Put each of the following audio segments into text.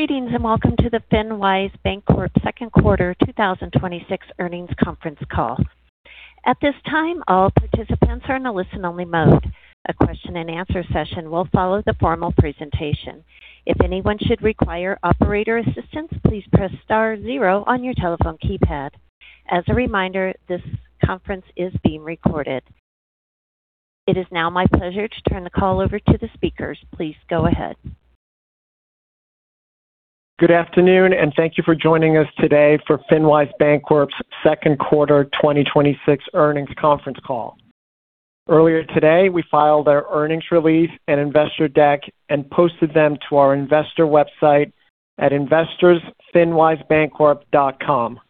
Greetings. Welcome to the FinWise Bancorp second quarter 2026 earnings conference call. At this time, all participants are in a listen-only mode. A question and answer session will follow the formal presentation. If anyone should require operator assistance, please press star zero on your telephone keypad. As a reminder, this conference is being recorded. It is now my pleasure to turn the call over to the speakers. Please go ahead. Good afternoon. Thank you for joining us today for FinWise Bancorp's second quarter 2026 earnings conference call. Earlier today, we filed our earnings release and investor deck and posted them to our investor website at investors.finwisebancorp.com.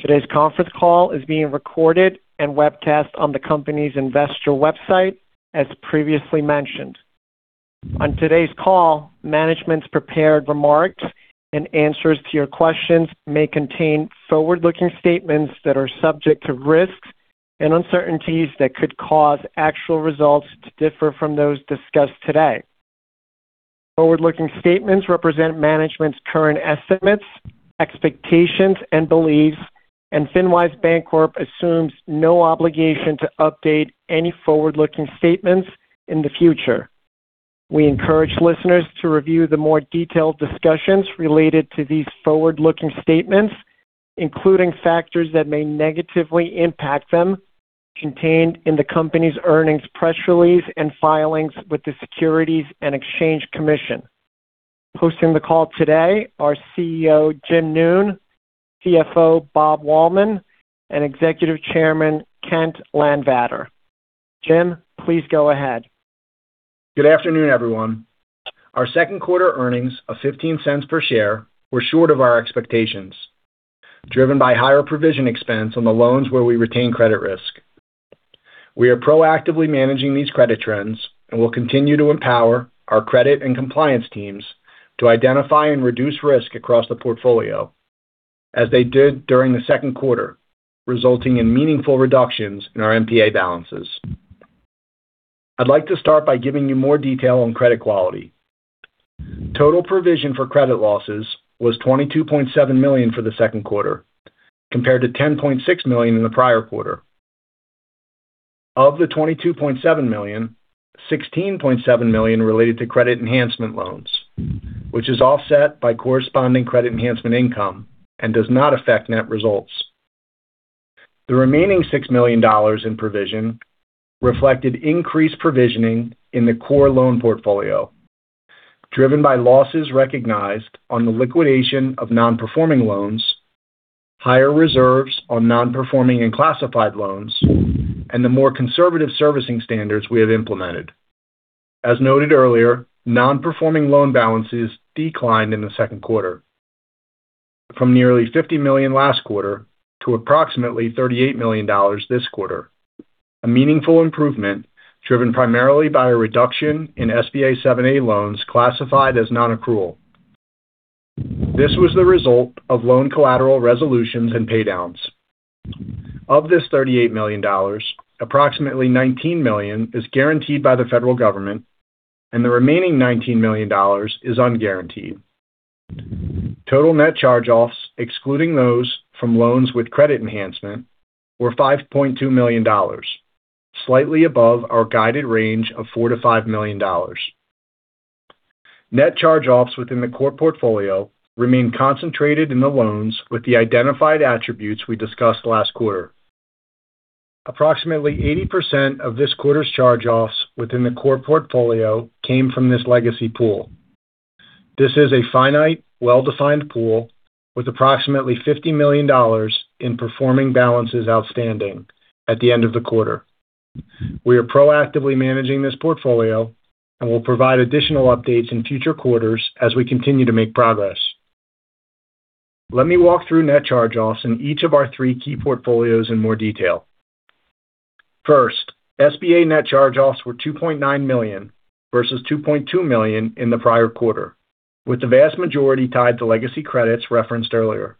Today's conference call is being recorded and webcast on the company's investor website as previously mentioned. On today's call, management's prepared remarks and answers to your questions may contain forward-looking statements that are subject to risks and uncertainties that could cause actual results to differ from those discussed today. Forward-looking statements represent management's current estimates, expectations, and beliefs, and FinWise Bancorp assumes no obligation to update any forward-looking statements in the future. We encourage listeners to review the more detailed discussions related to these forward-looking statements, including factors that may negatively impact them, contained in the company's earnings press release and filings with the Securities and Exchange Commission. Hosting the call today are CEO Jim Noone, CFO Robert Wahlman, and Executive Chairman Kent Landvatter. Jim, please go ahead. Good afternoon, everyone. Our second quarter earnings of $0.15 per share were short of our expectations, driven by higher provision expense on the loans where we retain credit risk. We are proactively managing these credit trends and will continue to empower our credit and compliance teams to identify and reduce risk across the portfolio, as they did during the second quarter, resulting in meaningful reductions in our NPA balances. I'd like to start by giving you more detail on credit quality. Total provision for credit losses was $22.7 million for the second quarter, compared to $10.6 million in the prior quarter. Of the $22.7 million, $16.7 million related to credit enhancement loans, which is offset by corresponding credit enhancement income and does not affect net results. The remaining $6 million in provision reflected increased provisioning in the core loan portfolio, driven by losses recognized on the liquidation of non-performing loans, higher reserves on non-performing and classified loans, and the more conservative servicing standards we have implemented. As noted earlier, non-performing loan balances declined in the second quarter from nearly $50 million last quarter to approximately $38 million this quarter. A meaningful improvement driven primarily by a reduction in SBA 7 loans classified as nonaccrual. This was the result of loan collateral resolutions and paydowns. Of this $38 million, approximately $19 million is guaranteed by the federal government, and the remaining $19 million is unguaranteed. Total net charge-offs, excluding those from loans with credit enhancement, were $5.2 million, slightly above our guided range of $4 million-$5 million. Net charge-offs within the core portfolio remain concentrated in the loans with the identified attributes we discussed last quarter. Approximately 80% of this quarter's charge-offs within the core portfolio came from this legacy pool. This is a finite, well-defined pool with approximately $50 million in performing balances outstanding at the end of the quarter. We are proactively managing this portfolio and will provide additional updates in future quarters as we continue to make progress. Let me walk through net charge-offs in each of our three key portfolios in more detail. First, SBA net charge-offs were $2.9 million versus $2.2 million in the prior quarter, with the vast majority tied to legacy credits referenced earlier.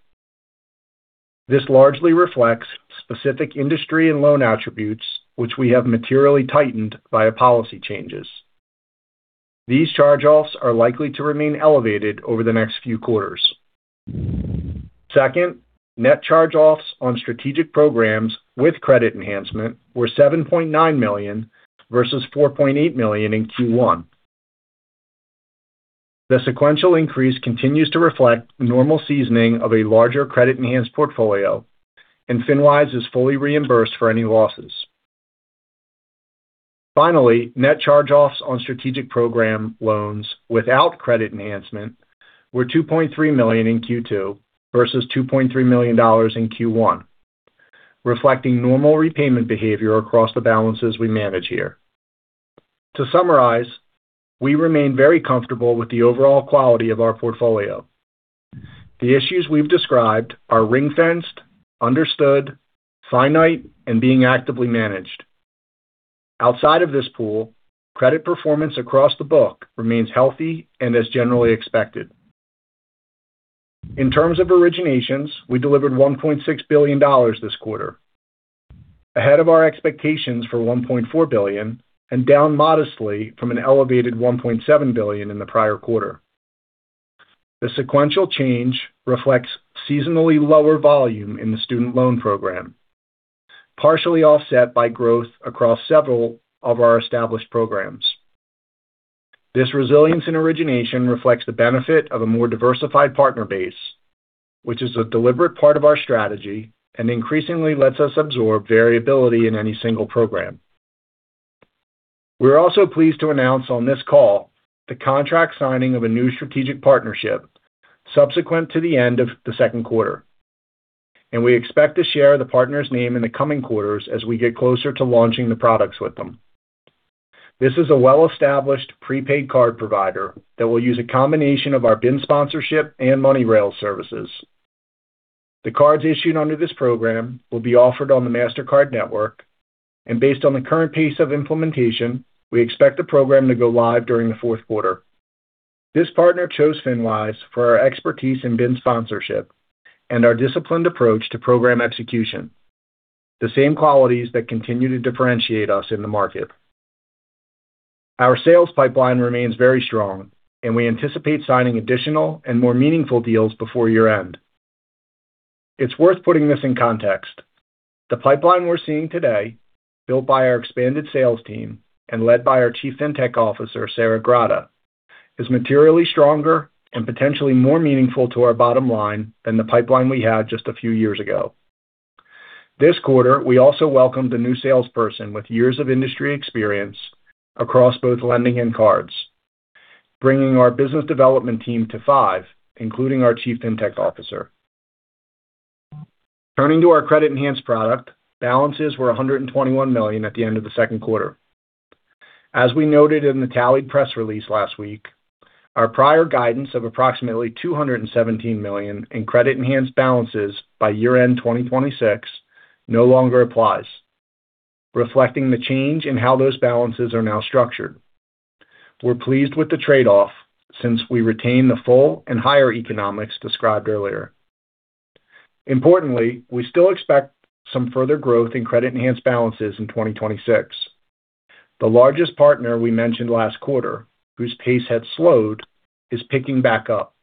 This largely reflects specific industry and loan attributes which we have materially tightened via policy changes. These charge-offs are likely to remain elevated over the next few quarters. Second, net charge-offs on strategic programs with credit enhancement were $7.9 million versus $4.8 million in Q1. The sequential increase continues to reflect normal seasoning of a larger credit-enhanced portfolio, and FinWise is fully reimbursed for any losses. Finally, net charge-offs on strategic program loans without credit enhancement were $2.3 million in Q2 versus $2.3 million in Q1, reflecting normal repayment behavior across the balances we manage here. To summarize, we remain very comfortable with the overall quality of our portfolio. The issues we've described are ring-fenced, understood, finite, and being actively managed. Outside of this pool, credit performance across the book remains healthy and as generally expected. In terms of originations, we delivered $1.6 billion this quarter, ahead of our expectations for $1.4 billion, and down modestly from an elevated $1.7 billion in the prior quarter. The sequential change reflects seasonally lower volume in the student loan program, partially offset by growth across several of our established programs. This resilience in origination reflects the benefit of a more diversified partner base, which is a deliberate part of our strategy and increasingly lets us absorb variability in any single program. We are also pleased to announce on this call the contract signing of a new strategic partnership subsequent to the end of the second quarter, and we expect to share the partner's name in the coming quarters as we get closer to launching the products with them. This is a well-established prepaid card provider that will use a combination of our BIN sponsorship and MoneyRails services. The cards issued under this program will be offered on the Mastercard network. Based on the current pace of implementation, we expect the program to go live during the fourth quarter. This partner chose FinWise for our expertise in BIN sponsorship and our disciplined approach to program execution, the same qualities that continue to differentiate us in the market. Our sales pipeline remains very strong, and we anticipate signing additional and more meaningful deals before year-end. It's worth putting this in context. The pipeline we're seeing today, built by our expanded sales team and led by our Chief Fintech Officer, Sarah Grotta, is materially stronger and potentially more meaningful to our bottom line than the pipeline we had just a few years ago. This quarter, we also welcomed a new salesperson with years of industry experience across both lending and cards, bringing our business development team to five, including our Chief Fintech Officer. Turning to our credit-enhanced product, balances were $121 million at the end of the second quarter. As we noted in the Tallied press release last week, our prior guidance of approximately $217 million in credit-enhanced balances by year-end 2026 no longer applies, reflecting the change in how those balances are now structured. We're pleased with the trade-off since we retain the full and higher economics described earlier. Importantly, we still expect some further growth in credit-enhanced balances in 2026. The largest partner we mentioned last quarter, whose pace had slowed, is picking back up.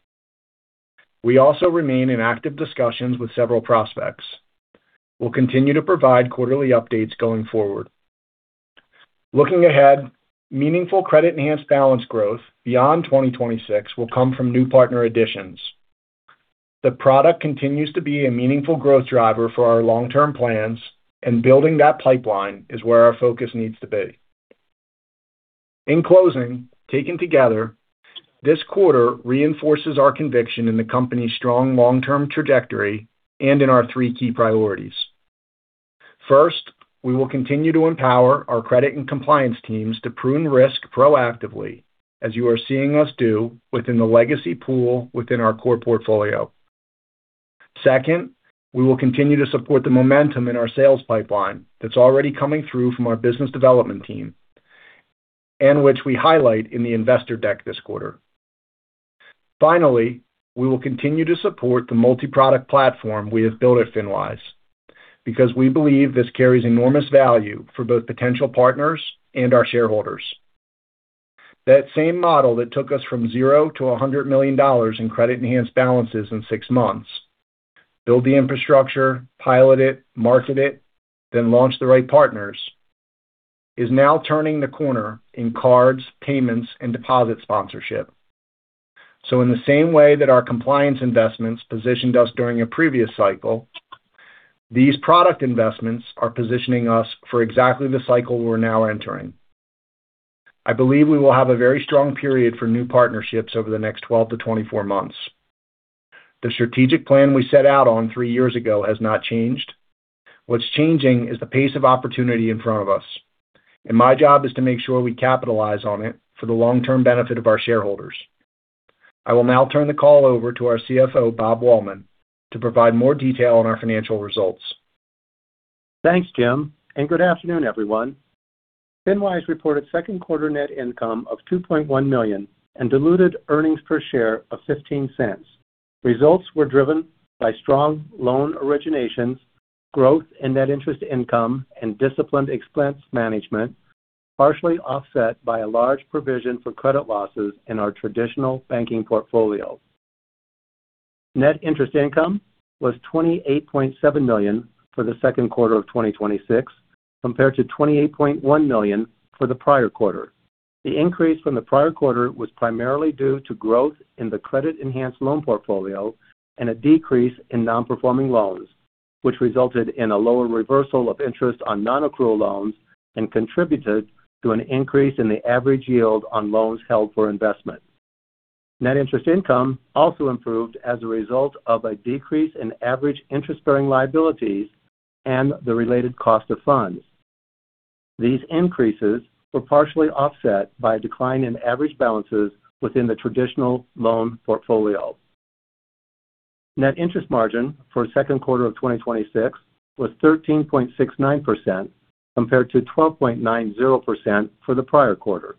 We also remain in active discussions with several prospects. We'll continue to provide quarterly updates going forward. Looking ahead, meaningful credit-enhanced balance growth beyond 2026 will come from new partner additions. The product continues to be a meaningful growth driver for our long-term plans, and building that pipeline is where our focus needs to be. In closing, taken together, this quarter reinforces our conviction in the company's strong long-term trajectory and in our three key priorities. First, we will continue to empower our credit and compliance teams to prune risk proactively, as you are seeing us do within the legacy pool within our core portfolio. Second, we will continue to support the momentum in our sales pipeline that's already coming through from our business development team and which we highlight in the investor deck this quarter. Finally, we will continue to support the multi-product platform we have built at FinWise because we believe this carries enormous value for both potential partners and our shareholders. That same model that took us from zero to $100 million in credit-enhanced balances in six months, build the infrastructure, pilot it, market it, then launch the right partners, is now turning the corner in cards, payments, and deposit sponsorship. In the same way that our compliance investments positioned us during a previous cycle, these product investments are positioning us for exactly the cycle we're now entering. I believe we will have a very strong period for new partnerships over the next 12 to 24 months. The strategic plan we set out on three years ago has not changed. What's changing is the pace of opportunity in front of us, and my job is to make sure we capitalize on it for the long-term benefit of our shareholders. I will now turn the call over to our CFO, Bob Wahlman, to provide more detail on our financial results. Thanks, Jim, and good afternoon, everyone. FinWise reported second quarter net income of $2.1 million and diluted earnings per share of $0.15. Results were driven by strong loan originations, growth in net interest income, and disciplined expense management, partially offset by a large provision for credit losses in our traditional banking portfolio. Net interest income was $28.7 million for the second quarter of 2026, compared to $28.1 million for the prior quarter. The increase from the prior quarter was primarily due to growth in the credit-enhanced loan portfolio and a decrease in non-performing loans, which resulted in a lower reversal of interest on non-accrual loans and contributed to an increase in the average yield on loans held for investment. Net interest income also improved as a result of a decrease in average interest-bearing liabilities and the related cost of funds. These increases were partially offset by a decline in average balances within the traditional loan portfolio. Net interest margin for the second quarter of 2026 was 13.69%, compared to 12.90% for the prior quarter.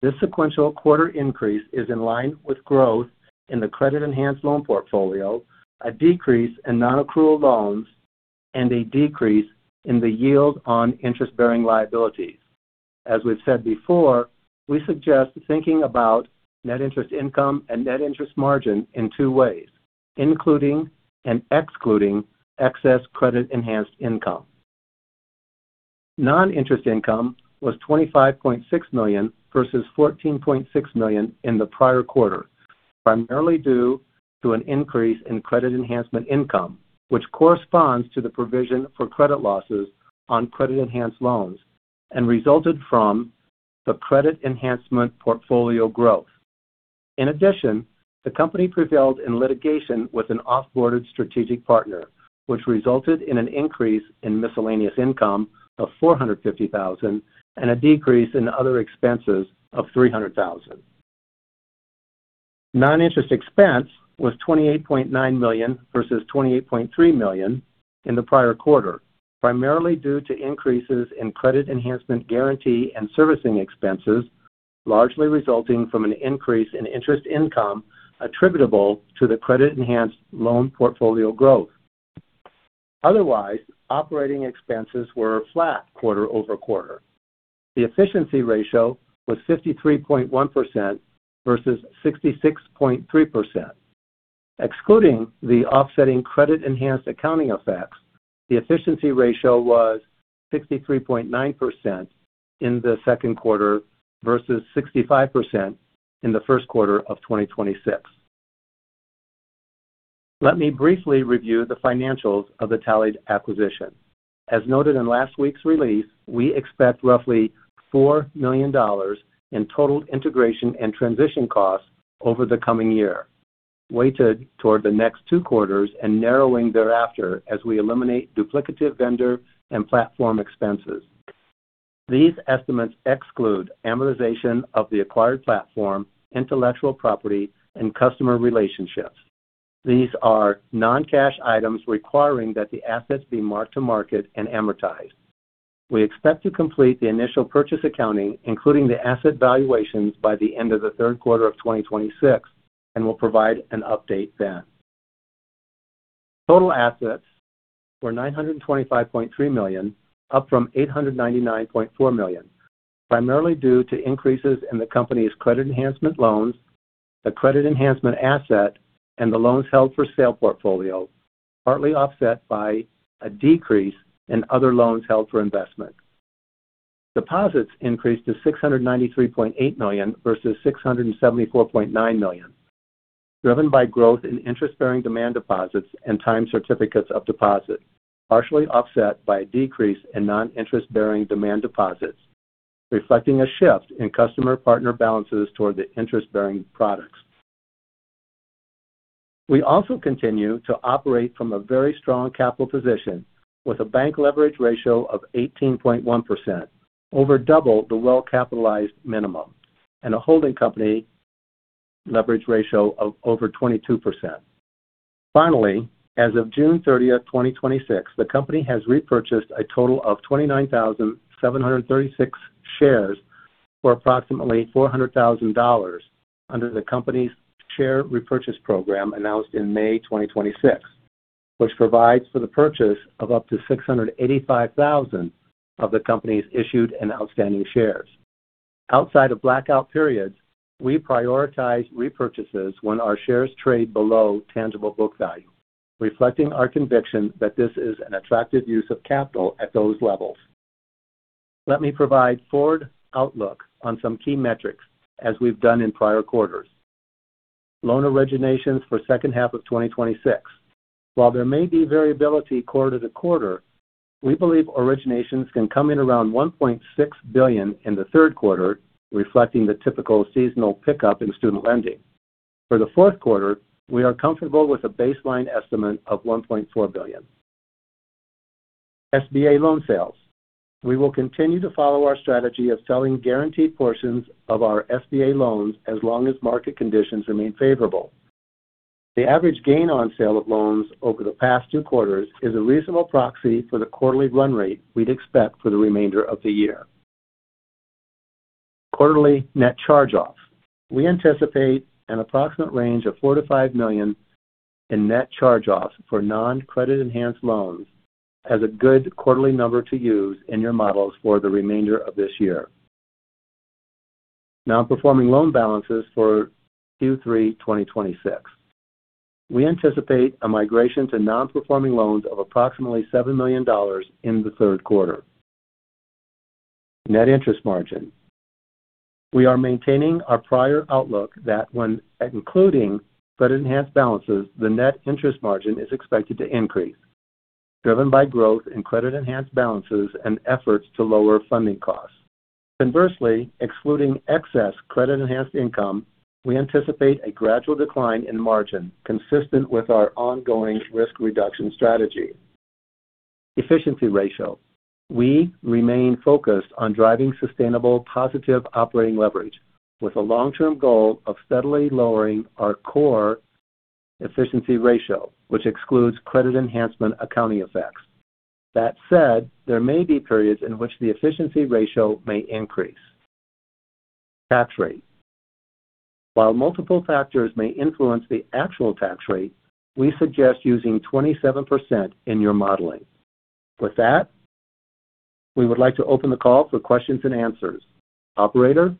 This sequential quarter increase is in line with growth in the credit-enhanced loan portfolio, a decrease in non-accrual loans, and a decrease in the yield on interest-bearing liabilities. As we've said before, we suggest thinking about net interest income and net interest margin in two ways, including and excluding excess credit-enhanced income. Non-interest income was $25.6 million versus $14.6 million in the prior quarter, primarily due to an increase in credit enhancement income, which corresponds to the provision for credit losses on credit-enhanced loans and resulted from the credit enhancement portfolio growth. In addition, the company prevailed in litigation with an off-boarded strategic partner, which resulted in an increase in miscellaneous income of $450,000 and a decrease in other expenses of $300,000. Non-interest expense was $28.9 million versus $28.3 million in the prior quarter, primarily due to increases in credit enhancement guarantee and servicing expenses, largely resulting from an increase in interest income attributable to the credit-enhanced loan portfolio growth. Otherwise, operating expenses were flat quarter over quarter. The efficiency ratio was 53.1% versus 66.3%. Excluding the offsetting credit-enhanced accounting effects, the efficiency ratio was 63.9% in the second quarter versus 65% in the first quarter of 2026. Let me briefly review the financials of the Tallied acquisition. As noted in last week's release, we expect roughly $4 million in total integration and transition costs over the coming year, weighted toward the next two quarters and narrowing thereafter as we eliminate duplicative vendor and platform expenses. These estimates exclude amortization of the acquired platform, intellectual property, and customer relationships. These are non-cash items requiring that the assets be marked to market and amortized. We expect to complete the initial purchase accounting, including the asset valuations, by the end of the third quarter of 2026 and will provide an update then. Total assets were $925.3 million, up from $899.4 million, primarily due to increases in the company's credit enhancement loans, the credit enhancement asset, and the loans held for sale portfolio, partly offset by a decrease in other loans held for investment. Deposits increased to $693.8 million versus $674.9 million, driven by growth in interest-bearing demand deposits and time certificates of deposit, partially offset by a decrease in non-interest-bearing demand deposits, reflecting a shift in customer partner balances toward the interest-bearing products. We also continue to operate from a very strong capital position with a bank leverage ratio of 18.1%, over double the well-capitalized minimum, and a holding company leverage ratio of over 22%. Finally, as of June 30th, 2026, the company has repurchased a total of 29,736 shares for approximately $400,000 under the company's share repurchase program announced in May 2026, which provides for the purchase of up to 685,000 of the company's issued and outstanding shares. Outside of blackout periods, we prioritize repurchases when our shares trade below tangible book value, reflecting our conviction that this is an attractive use of capital at those levels. Let me provide forward outlook on some key metrics as we've done in prior quarters. Loan originations for second half of 2026. While there may be variability quarter to quarter, we believe originations can come in around $1.6 billion in the third quarter, reflecting the typical seasonal pickup in student lending. For the fourth quarter, we are comfortable with a baseline estimate of $1.4 billion. SBA loan sales. We will continue to follow our strategy of selling guaranteed portions of our SBA loans as long as market conditions remain favorable. The average gain on sale of loans over the past two quarters is a reasonable proxy for the quarterly run rate we'd expect for the remainder of the year. Quarterly net charge-off. We anticipate an approximate range of $4 million-$5 million in net charge-offs for non-credit enhanced loans as a good quarterly number to use in your models for the remainder of this year. Non-performing loan balances for Q3 2026. We anticipate a migration to non-performing loans of approximately $7 million in the third quarter. Net interest margin. We are maintaining our prior outlook that when including credit-enhanced balances, the net interest margin is expected to increase, driven by growth in credit-enhanced balances and efforts to lower funding costs. Conversely, excluding excess credit-enhanced income, we anticipate a gradual decline in margin consistent with our ongoing risk reduction strategy. Efficiency ratio. We remain focused on driving sustainable positive operating leverage with a long-term goal of steadily lowering our core efficiency ratio, which excludes credit enhancement accounting effects. That said, there may be periods in which the efficiency ratio may increase. Tax rate. While multiple factors may influence the actual tax rate, we suggest using 27% in your modeling. With that, we would like to open the call for questions and answers. Operator?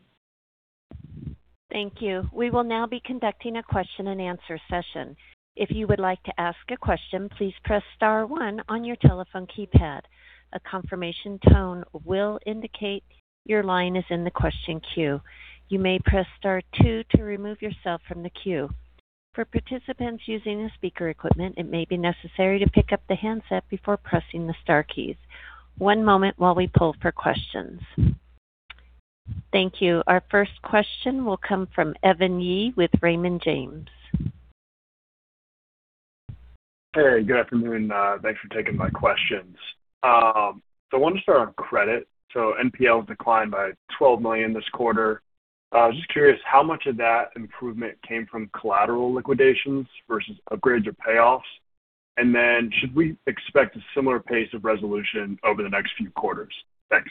Thank you. We will now be conducting a question and answer session. If you would like to ask a question, please press star one on your telephone keypad. A confirmation tone will indicate your line is in the question queue. You may press star two to remove yourself from the queue. For participants using the speaker equipment, it may be necessary to pick up the handset before pressing the star keys. One moment while we pull for questions. Thank you. Our first question will come from Evan Yee with Raymond James. Hey, good afternoon. Thanks for taking my questions. I wanted to start on credit. NPL has declined by $12 million this quarter. I was just curious how much of that improvement came from collateral liquidations versus upgrades or payoffs. Should we expect a similar pace of resolution over the next few quarters? Thanks.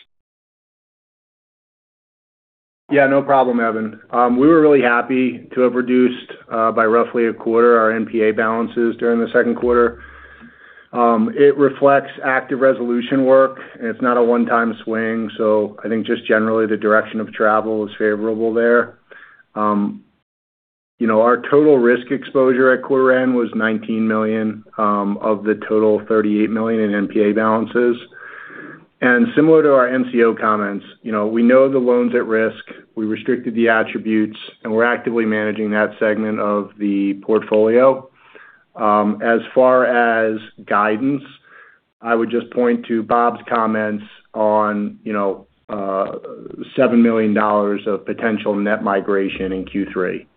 Yeah, no problem, Evan. We were really happy to have reduced by roughly a quarter our NPA balances during the second quarter. It reflects active resolution work, and it's not a one-time swing. I think just generally the direction of travel is favorable there. Our total risk exposure at quarter end was $19 million of the total $38 million in NPA balances. Similar to our NCO comments, we know the loans at risk. We restricted the attributes, and we're actively managing that segment of the portfolio. As far as guidance, I would just point to Bob's comments on $7 million of potential net migration in Q3. Okay,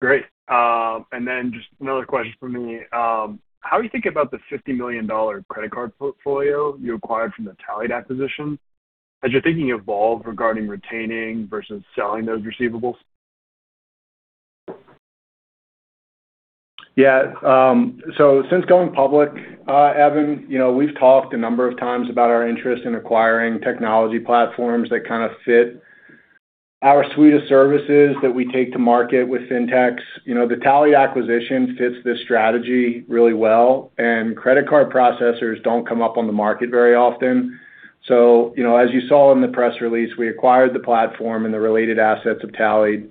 great. Just another question from me. How do you think about the $50 million credit card portfolio you acquired from the Tallied acquisition? Has your thinking evolved regarding retaining versus selling those receivables? Since going public, Evan, we've talked a number of times about our interest in acquiring technology platforms that kind of fit our suite of services that we take to market with FinTechs. The Tallied acquisition fits this strategy really well, and credit card processors don't come up on the market very often. As you saw in the press release, we acquired the platform and the related assets of Tallied.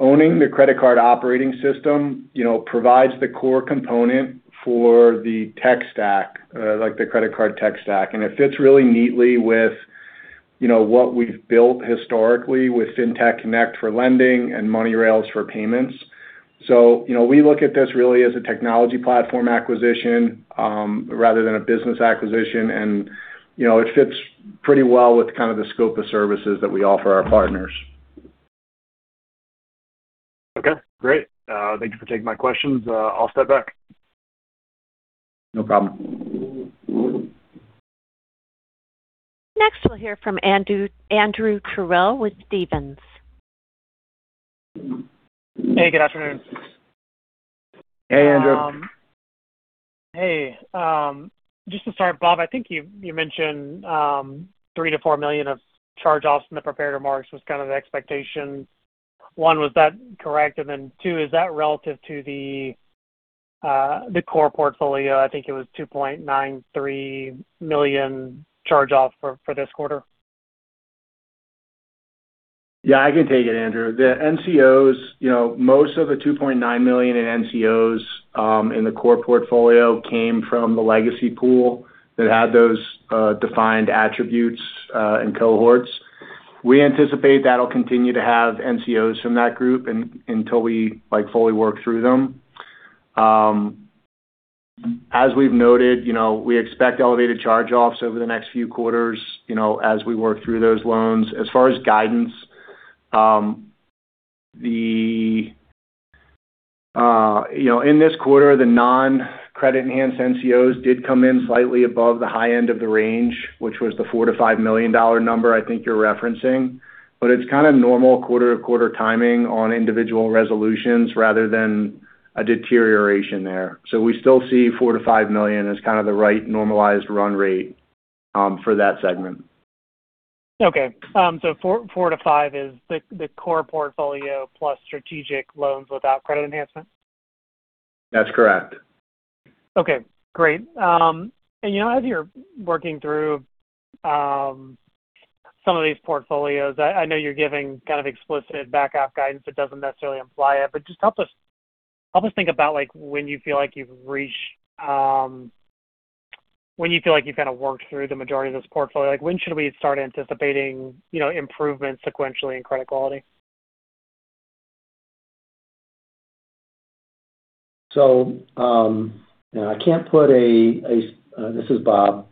Owning the credit card operating system provides the core component for the tech stack, like the credit card tech stack. It fits really neatly with what we've built historically with Fintech Connect for lending and MoneyRails for payments. We look at this really as a technology platform acquisition rather than a business acquisition. It fits pretty well with kind of the scope of services that we offer our partners. Okay, great. Thank you for taking my questions. I'll step back. No problem. Next, we'll hear from Andrew Terrell with Stephens. Hey, good afternoon. Hey, Andrew. Hey. Just to start, Bob, I think you mentioned $3 million-$4 million of charge-offs in the prepared remarks was kind of the expectation. One, was that correct? Two, is that relative to the core portfolio? I think it was $2.93 million charge-off for this quarter. Yeah, I can take it, Andrew. The NCOs, most of the $2.9 million in NCOs in the core portfolio came from the legacy pool that had those defined attributes and cohorts. We anticipate that'll continue to have NCOs from that group until we fully work through them. As we've noted, we expect elevated charge-offs over the next few quarters as we work through those loans. As far as guidance, in this quarter, the non-credit enhanced NCOs did come in slightly above the high end of the range, which was the $4 million-$5 million number I think you're referencing. It's kind of normal quarter-to-quarter timing on individual resolutions rather than a deterioration there. We still see $4 million-$5 million as kind of the right normalized run rate for that segment. Four to five is the core portfolio plus strategic loans without credit enhancement? That's correct. Great. As you're working through some of these portfolios, I know you're giving kind of explicit back half guidance that doesn't necessarily imply it. Just help us think about when you feel like you've kind of worked through the majority of this portfolio. When should we start anticipating improvements sequentially in credit quality? This is Bob.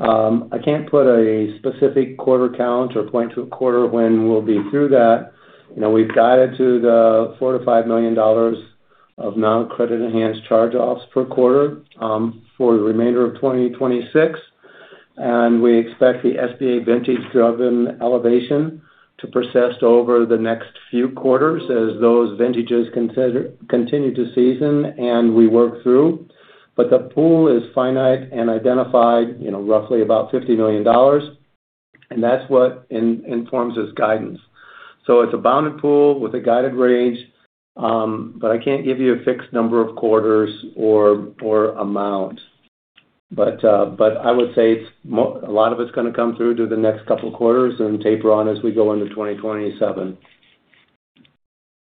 I can't put a specific quarter count or point to a quarter when we'll be through that. We've guided to the $4 million-$5 million of non-credit enhanced charge-offs per quarter for the remainder of 2026. We expect the SBA vintage driven elevation to persist over the next few quarters as those vintages continue to season and we work through. The pool is finite and identified, roughly about $50 million. That's what informs this guidance. It's a bounded pool with a guided range. I can't give you a fixed number of quarters or amount. I would say a lot of it's going to come through to the next couple of quarters and taper on as we go into 2027.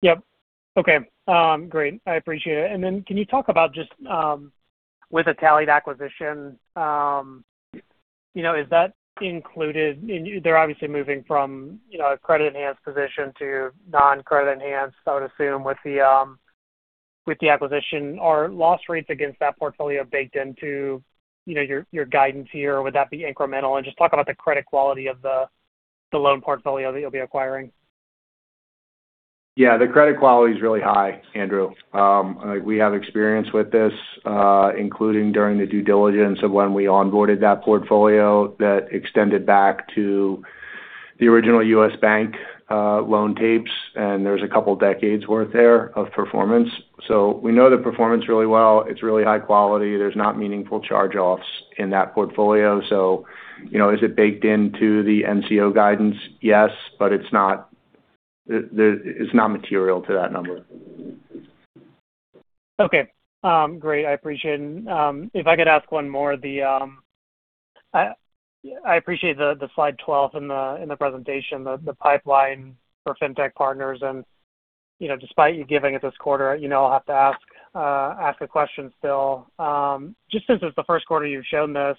Yep. Okay. Great. I appreciate it. Then can you talk about just with the Tallied acquisition, is that included? They're obviously moving from a credit-enhanced position to non-credit enhanced, I would assume, with the acquisition. Are loss rates against that portfolio baked into your guidance here, or would that be incremental? Just talk about the credit quality of the loan portfolio that you'll be acquiring. Yeah, the credit quality is really high, Andrew. We have experience with this, including during the due diligence of when we onboarded that portfolio that extended back to the original U.S. Bank loan tapes, and there's a couple of decades worth there of performance. We know the performance really well. It's really high quality. There's not meaningful charge-offs in that portfolio. Is it baked into the NCO guidance? Yes, but it's not material to that number. Okay. Great. I appreciate it. If I could ask one more. I appreciate the slide 12 in the presentation, the pipeline for Fintech partners. Despite you giving it this quarter, I'll have to ask a question still. Just since it's the first quarter you've shown this,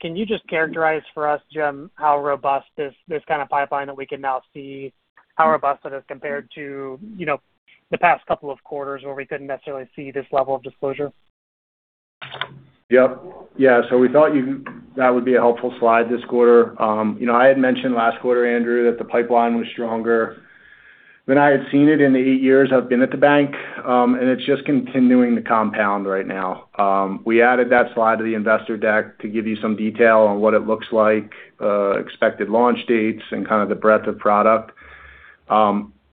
can you just characterize for us, Jim, how robust this kind of pipeline that we can now see, how robust it is compared to the past couple of quarters where we couldn't necessarily see this level of disclosure? Yep. Yeah. We thought that would be a helpful slide this quarter. I had mentioned last quarter, Andrew, that the pipeline was stronger than I had seen it in the eight years I've been at the bank. It's just continuing to compound right now. We added that slide to the investor deck to give you some detail on what it looks like, expected launch dates, and kind of the breadth of product.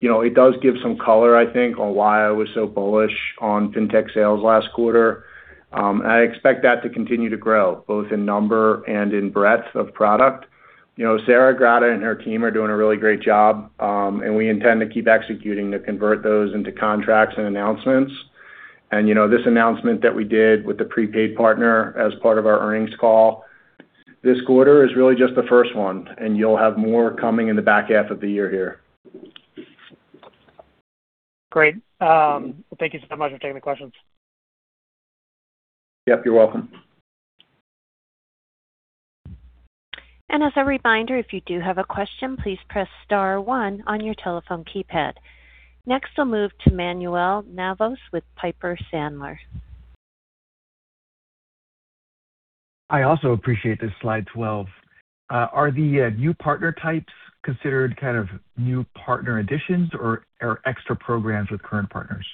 It does give some color, I think, on why I was so bullish on Fintech sales last quarter. I expect that to continue to grow both in number and in breadth of product. Sarah Grotta and her team are doing a really great job, and we intend to keep executing to convert those into contracts and announcements. This announcement that we did with the prepaid partner as part of our earnings call this quarter is really just the first one, and you'll have more coming in the back half of the year here. Great. Thank you so much for taking the questions. Yep, you're welcome. As a reminder, if you do have a question, please press star one on your telephone keypad. Next, we'll move to Manuel Navas with Piper Sandler. I also appreciate this slide 12. Are the new partner types considered kind of new partner additions or extra programs with current partners?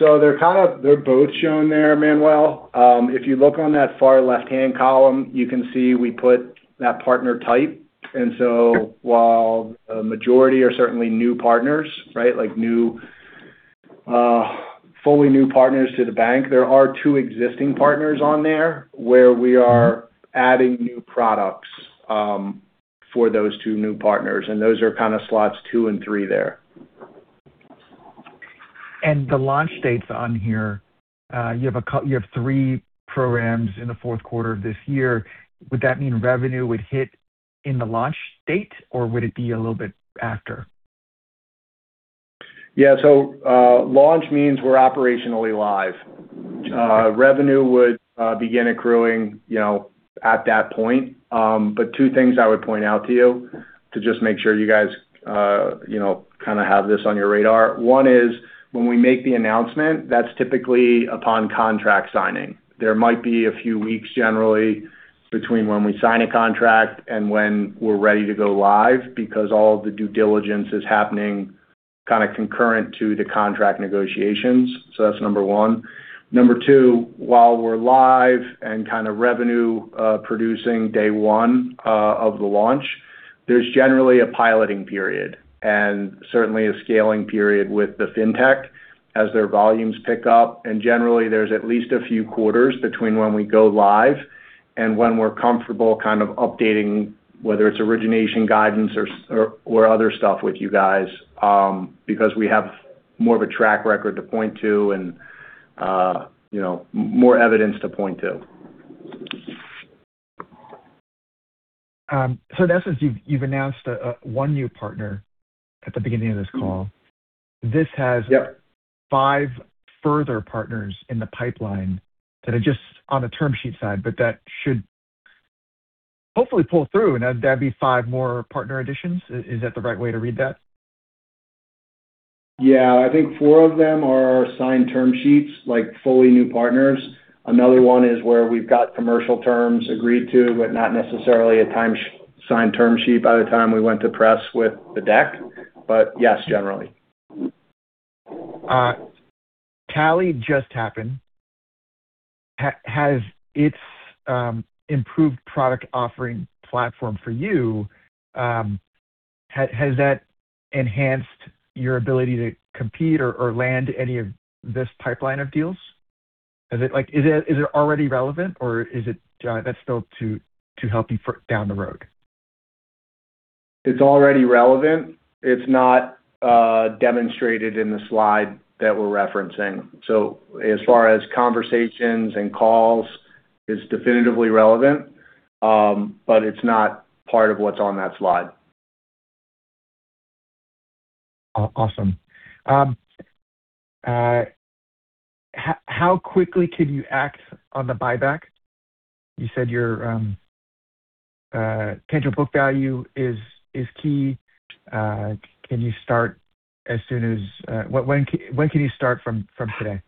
They're both shown there, Manuel. If you look on that far left-hand column, you can see we put that partner type. While the majority are certainly new partners, like fully new partners to the bank, there are two existing partners on there where we are adding new products for those two new partners, and those are kind of slots two and three there. The launch dates on here, you have three programs in the fourth quarter of this year. Would that mean revenue would hit in the launch date, or would it be a little bit after? Launch means we're operationally live. Revenue would begin accruing at that point. Two things I would point out to you to just make sure you guys kind of have this on your radar. One is when we make the announcement, that's typically upon contract signing. There might be a few weeks generally between when we sign a contract and when we're ready to go live because all the due diligence is happening kind of concurrent to the contract negotiations. That's number 1. Number 2, while we're live and kind of revenue-producing day 1 of the launch, there's generally a piloting period and certainly a scaling period with the fintech as their volumes pick up. Generally, there's at least a few quarters between when we go live and when we're comfortable kind of updating whether it's origination guidance or other stuff with you guys because we have more of a track record to point to and more evidence to point to. In essence you've announced one new partner at the beginning of this call. Yep. This has five further partners in the pipeline that are just on the term sheet side, that should hopefully pull through. Would that be five more partner additions? Is that the right way to read that? Yeah. I think four of them are signed term sheets, like fully new partners. Another one is where we've got commercial terms agreed to, but not necessarily a signed term sheet by the time we went to press with the deck. Yes, generally. Tallied just happened. Has its improved product offering platform for you, has that enhanced your ability to compete or land any of this pipeline of deals? Is it already relevant or is that still to help you down the road? It's already relevant. It's not demonstrated in the slide that we're referencing. As far as conversations and calls, it's definitively relevant, but it's not part of what's on that slide. Awesome. How quickly can you act on the buyback? You said your tangible book value is key. When can you start from today?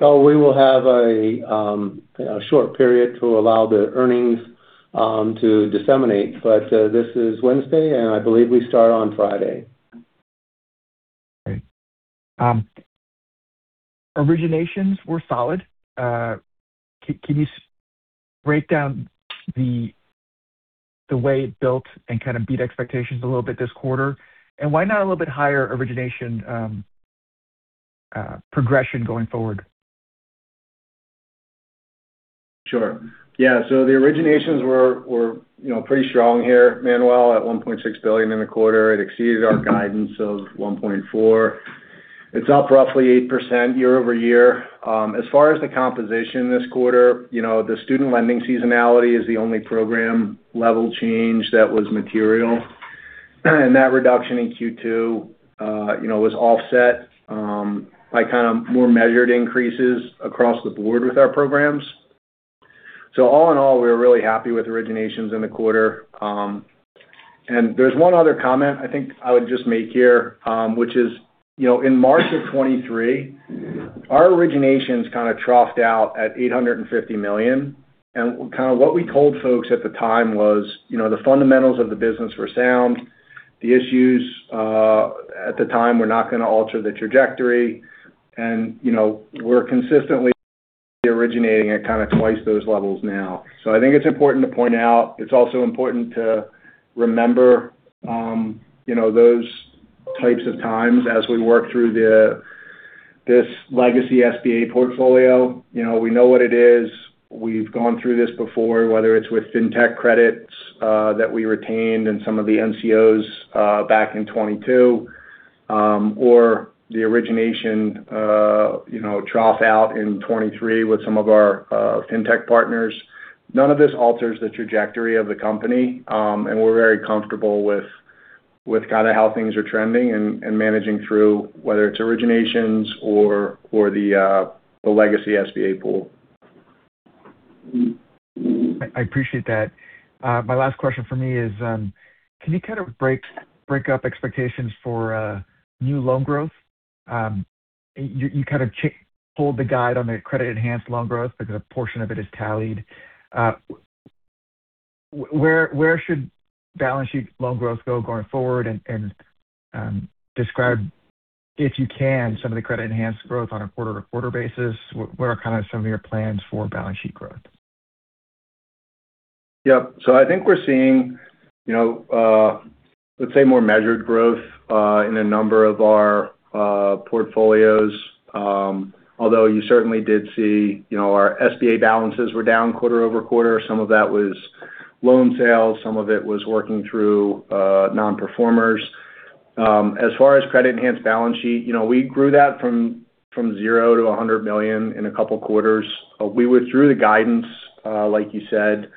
We will have a short period to allow the earnings to disseminate, but this is Wednesday, and I believe we start on Friday. Great. Originations were solid. Can you break down the way it built and kind of beat expectations a little bit this quarter? Why not a little bit higher origination progression going forward? Sure. Yeah, the originations were pretty strong here, Manuel, at $1.6 billion in the quarter. It exceeded our guidance of $1.4 billion. It's up roughly 8% year-over-year. As far as the composition this quarter, the student lending seasonality is the only program-level change that was material. That reduction in Q2 was offset by more measured increases across the board with our programs. All in all, we were really happy with originations in the quarter. There's one other comment I think I would just make here, which is, in March of 2023, our originations kind of troughed out at $850 million. What we told folks at the time was the fundamentals of the business were sound. The issues at the time were not going to alter the trajectory. We're consistently originating at kind of twice those levels now. I think it's important to point out, it's also important to remember those types of times as we work through this legacy SBA portfolio. We know what it is. We've gone through this before, whether it's with fintech credits that we retained and some of the NCOs back in 2022, or the origination trough-out in 2023 with some of our fintech partners. None of this alters the trajectory of the company, and we're very comfortable with how things are trending and managing through, whether it's originations or the legacy SBA pool. I appreciate that. My last question for me is, can you kind of break up expectations for new loan growth? You kind of pulled the guide on the credit-enhanced loan growth because a portion of it is Tallied. Describe, if you can, some of the credit-enhanced growth on a quarter-to-quarter basis. What are some of your plans for balance sheet growth? Yep. I think we're seeing, let's say, more measured growth in a number of our portfolios. Although you certainly did see our SBA balances were down quarter-over-quarter. Some of that was loan sales, some of it was working through non-performers. As far as credit-enhanced balance sheet, we grew that from 0 to $100 million in a couple of quarters. We withdrew the guidance, like you said,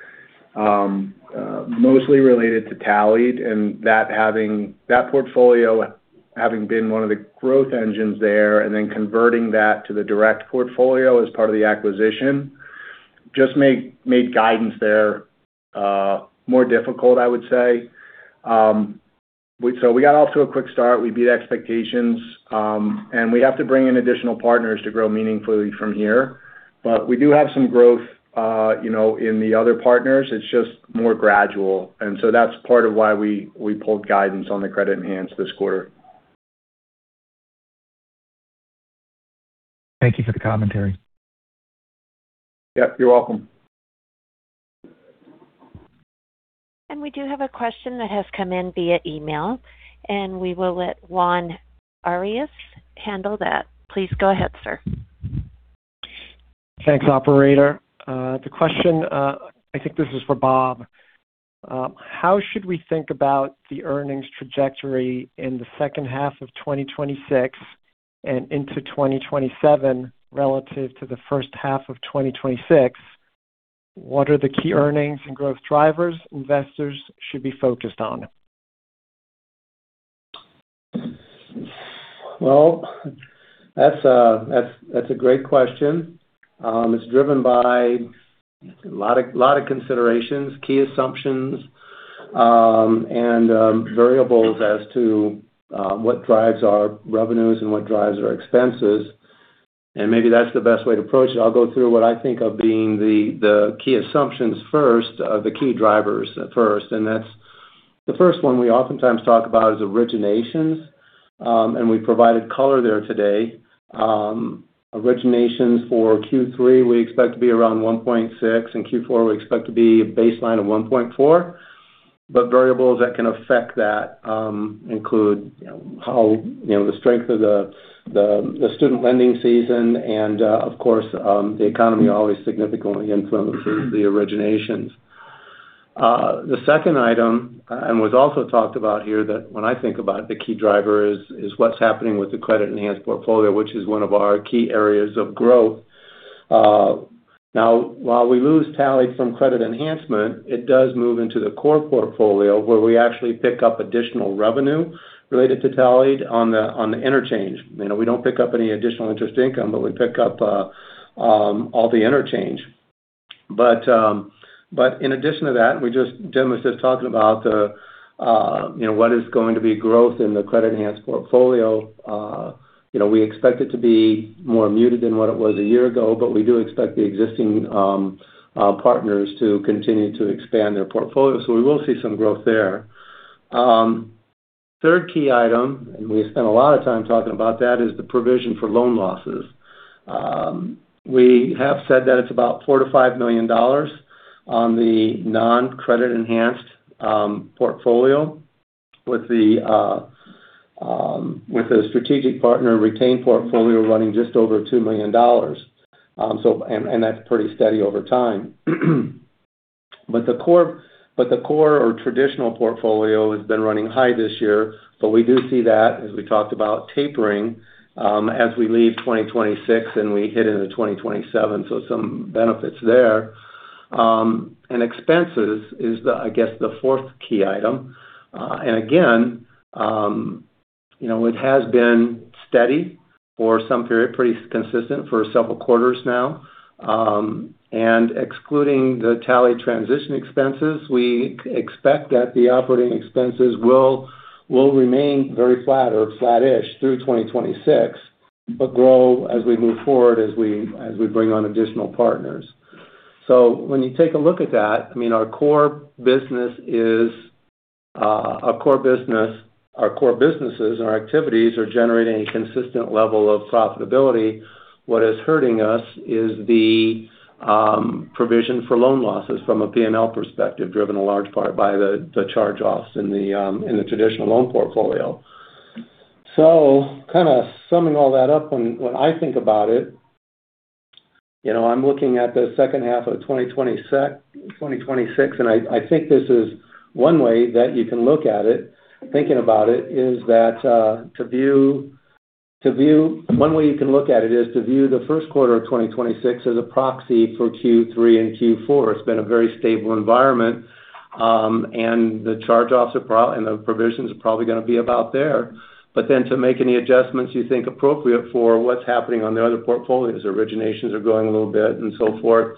mostly related to Tallied and that portfolio having been one of the growth engines there, converting that to the direct portfolio as part of the acquisition just made guidance there more difficult, I would say. We got off to a quick start. We beat expectations. We have to bring in additional partners to grow meaningfully from here. We do have some growth in the other partners, it's just more gradual. That's part of why we pulled guidance on the credit-enhanced this quarter. Thank you for the commentary. Yep, you're welcome. We do have a question that has come in via email, and we will let Juan Arias handle that. Please go ahead, sir. Thanks, operator. The question, I think this is for Bob. How should we think about the earnings trajectory in the second half of 2026 and into 2027 relative to the first half of 2026? What are the key earnings and growth drivers investors should be focused on? Well, that's a great question. It's driven by a lot of considerations, key assumptions, and variables as to what drives our revenues and what drives our expenses. Maybe that's the best way to approach it. I'll go through what I think of being the key assumptions first, the key drivers first. That's the first one we oftentimes talk about is originations, and we provided color there today. Originations for Q3 we expect to be around $1.6, and Q4 we expect to be a baseline of $1.4. Variables that can affect that include the strength of the student lending season and, of course, the economy always significantly influences the originations. The second item, and was also talked about here, that when I think about the key driver, is what's happening with the credit-enhanced portfolio, which is one of our key areas of growth. While we lose Tallied from credit enhancement, it does move into the core portfolio, where we actually pick up additional revenue related to Tallied on the interchange. We don't pick up any additional interest income, we pick up all the interchange. In addition to that, Jim was just talking about what is going to be growth in the credit-enhanced portfolio. We expect it to be more muted than what it was a year ago, we do expect the existing partners to continue to expand their portfolio. We will see some growth there. Third key item, we spent a lot of time talking about that, is the provision for loan losses. We have said that it's about $4 million-$5 million on the non-credit enhanced portfolio with the strategic partner retained portfolio running just over $2 million. That's pretty steady over time. The core or traditional portfolio has been running high this year. We do see that, as we talked about, tapering as we leave 2026 and we hit into 2027. Some benefits there. Expenses is, I guess, the fourth key item. Again, it has been steady for some period, pretty consistent for several quarters now. Excluding the Tallied transition expenses, we expect that the operating expenses will remain very flat or flat-ish through 2026, grow as we move forward as we bring on additional partners. When you take a look at that, our core businesses and our activities are generating a consistent level of profitability. What is hurting us is the provision for loan losses from a P&L perspective, driven in large part by the charge-offs in the traditional loan portfolio. Summing all that up, when I think about it, I'm looking at the second half of 2026, I think this is one way that you can look at it. Thinking about it is that one way you can look at it is to view the first quarter of 2026 as a proxy for Q3 and Q4. It's been a very stable environment. The charge-offs and the provisions are probably going to be about there. To make any adjustments you think appropriate for what's happening on the other portfolios. Originations are growing a little bit and so forth.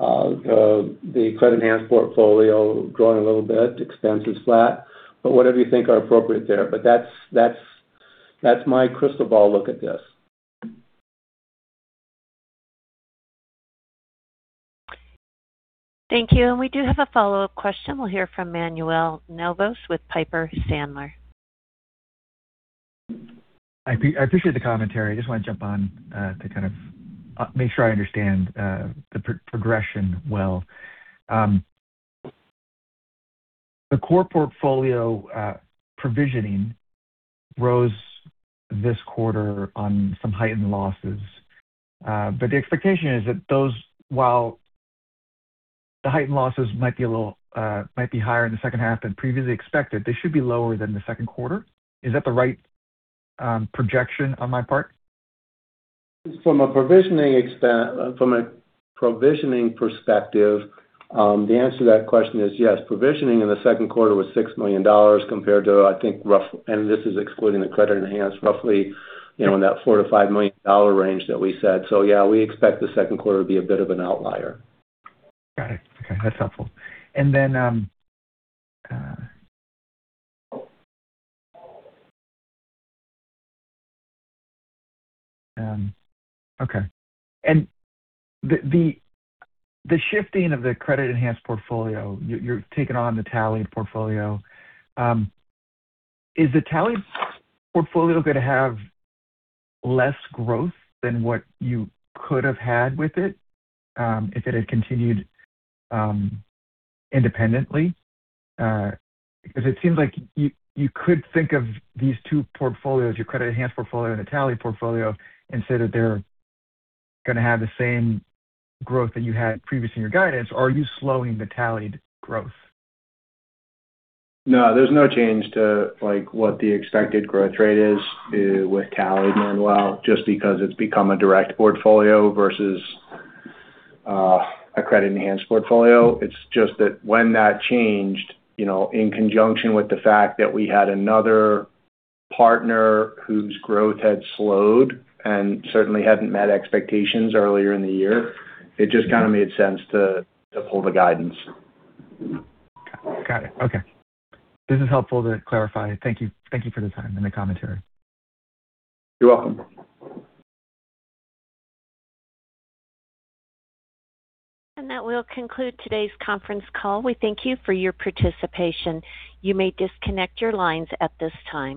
The credit-enhanced portfolio growing a little bit, expense is flat. Whatever you think are appropriate there. That's my crystal ball look at this. Thank you. We do have a follow-up question. We'll hear from Manuel Navas with Piper Sandler. I appreciate the commentary. I just want to jump on to kind of make sure I understand the progression well. The core portfolio provisioning rose this quarter on some heightened losses. The expectation is that those, while the heightened losses might be higher in the second half than previously expected, they should be lower than the second quarter. Is that the right projection on my part? From a provisioning perspective, the answer to that question is yes. Provisioning in the second quarter was $6 million compared to, I think, and this is excluding the credit-enhanced, roughly in that $4 million to $5 million range that we said. Yeah, we expect the second quarter to be a bit of an outlier. Got it. Okay, that's helpful. The shifting of the credit-enhanced portfolio, you're taking on the Tallied portfolio. Is the Tallied portfolio going to have less growth than what you could have had with it if it had continued independently? It seems like you could think of these two portfolios, your credit-enhanced portfolio and the Tallied portfolio, and say that they're going to have the same growth that you had previously in your guidance. Are you slowing the Tallied growth? No, there's no change to what the expected growth rate is with Tallied, Manuel, just because it's become a direct portfolio versus a credit-enhanced portfolio. It's just that when that changed, in conjunction with the fact that we had another partner whose growth had slowed and certainly hadn't met expectations earlier in the year, it just kind of made sense to pull the guidance. Got it. Okay. This is helpful to clarify. Thank you for the time and the commentary. You're welcome. That will conclude today's conference call. We thank you for your participation. You may disconnect your lines at this time.